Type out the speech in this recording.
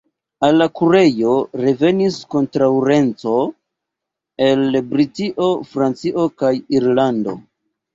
Al la kurejo revenis konkurenco el Britio, Francio kaj Irlando.